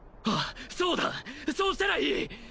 ああそうだそうしたらいい！